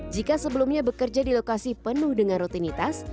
jika sebelumnya bekerja di lokasi penuh dengan rutinitas